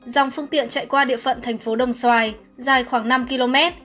dòng phương tiện chạy qua địa phận thành phố đồng xoài dài khoảng năm km